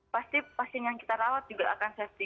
pasti pasien yang kita rawat juga akan safety